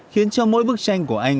khiến cho mỗi bức tranh của anh